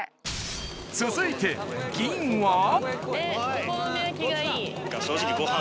続いて銀は正直。